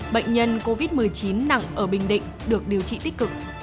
bệnh nhân covid một mươi chín nặng ở bình định được điều trị tích cực